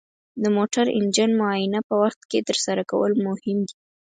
د موټر انجن معاینه په وخت ترسره کول مهم دي.